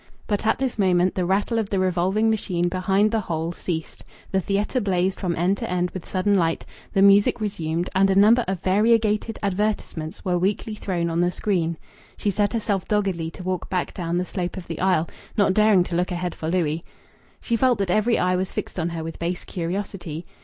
But at this moment the rattle of the revolving machine behind the hole ceased, the theatre blazed from end to end with sudden light, the music resumed, and a number of variegated advertisements were weakly thrown on the screen. She set herself doggedly to walk back down the slope of the aisle, not daring to look ahead for Louis. She felt that every eye was fixed on her with base curiosity....